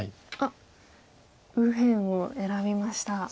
あっ右辺を選びました。